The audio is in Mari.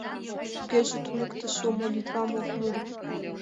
Тугеже, туныктышо молитвам ок мурыкто...